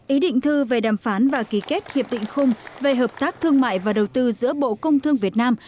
ý định thư về đàm phán và ký kết hiệp định khung về hợp tác thương mại và đầu tư giữa bộ công thương việt nam